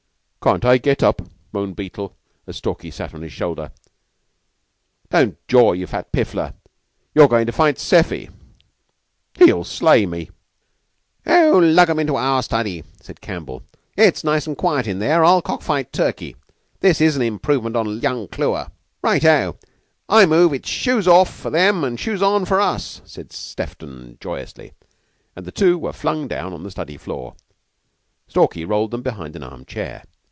"Can't I get up?" moaned Beetle, as Stalky sat on his shoulder. "Don't jaw, you fat piffler. You're going to fight Seffy." "He'll slay me!" "Oh, lug 'em into our study," said Campbell. "It's nice an' quiet in there. I'll cock fight Turkey. This is an improvement on young Clewer." "Right O! I move it's shoes off for them an' shoes on for us," said Sefton joyously, and the two were flung down on the study floor. Stalky rolled them behind an arm chair.